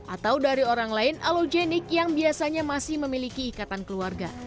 atau dari orang lain alogenik yang biasanya masih memiliki ikatan keluarga